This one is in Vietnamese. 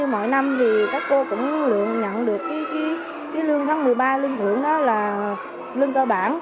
mỗi năm thì các cô cũng lượng nhận được lương tháng một mươi ba lương thưởng đó là lương cơ bản